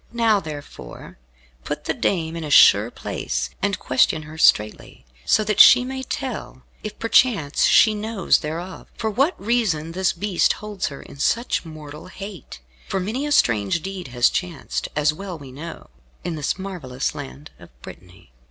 Now, therefore, put the dame in a sure place, and question her straitly, so that she may tell if perchance she knows thereof for what reason this Beast holds her in such mortal hate. For many a strange deed has chanced, as well we know, in this marvellous land of Brittany."